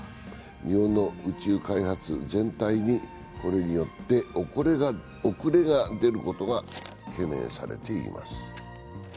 日本の宇宙開発全体にこれによって遅れが出ることが懸念されています。